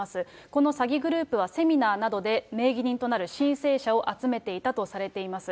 この詐欺グループは、セミナーなどで名義人となる申請者を集めていたとされています。